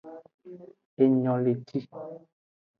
Enyoleci.